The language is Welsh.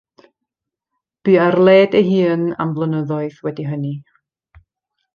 Bu ar led ei hun am flynyddoedd wedi hynny.